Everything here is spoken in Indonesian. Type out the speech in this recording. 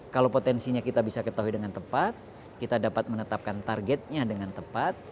kalau potensinya kita bisa ketahui dengan tepat kita dapat menetapkan targetnya dengan tepat